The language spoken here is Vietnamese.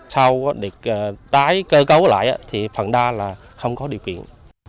sau đó để tái cơ cấu lại thì phần đa là không có điều kiện